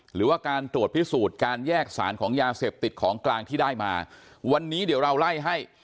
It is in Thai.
หรือว่าการตรวจพิสูจน์การแยกสารของยาเสพติดของกลางที่ได้มาวันนี้เดี๋ยวเราไล่ให้